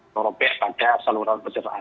merepek pada saluran pencernaan